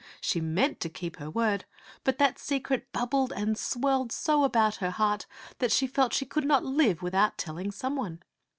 She meant to keep her word ; but that secret bubbled and swelled so about her heart that she felt she could not live without tell ing some one.